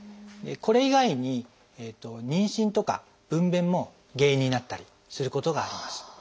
これ以外に妊娠とか分娩も原因になったりすることがあります。